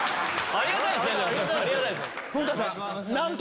ありがたいっす。